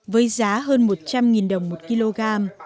với giá hơn một trăm linh đồng một kg